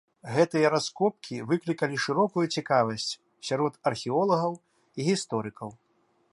Гэтыя раскопкі выклікалі шырокую цікавасць сярод археолагаў і гісторыкаў.